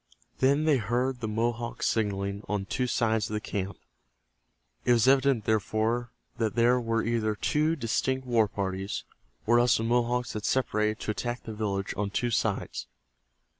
Then they heard the Mohawks signaling on two sides of the camp. It was evident, therefore, that there were either two distinct war parties, or else the Mohawks had separated to attack the village on two sides.